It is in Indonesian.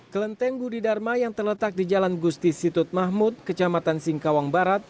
kelenteng budi dharma yang terletak di jalan gusti situt mahmud kecamatan singkawang barat